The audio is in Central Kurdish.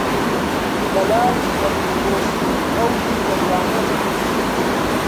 جەلال بە دڵخۆشی و قەولی مەردانە ڕۆیشت